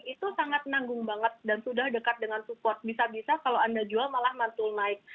itu sangat nanggung banget dan sudah dekat dengan support bisa bisa kalau anda jual malah mantul naik